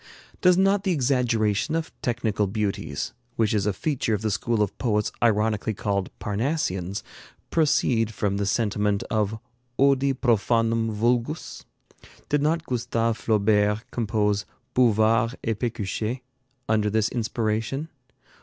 Does not the exaggeration of technical beauties, which is a feature of the school of poets ironically called Parnassians, proceed from this sentiment of Odi profanum vulgus? Did not Gustave Flaubert compose 'Bouvard et Péchuchet' under this inspiration?